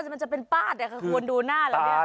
ตามแบบของเรา